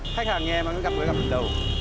khách hàng nghe mà cứ gặp người gặp từ đầu